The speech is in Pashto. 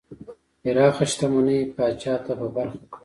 پراخه شتمنۍ پاچا ته په برخه کړه.